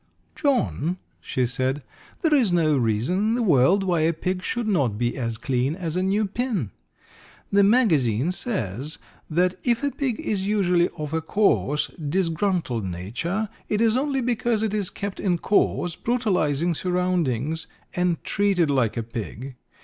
"John," she said, "there is no reason in the world why a pig should not be as clean as a new pin. The magazine says that if a pig is usually of a coarse, disgruntled nature, it is only because it is kept in coarse, brutalizing surroundings, and treated like a pig.